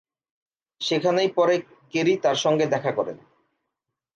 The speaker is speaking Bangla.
সেখানেই পরে কেরি তার সঙ্গে দেখা করেন।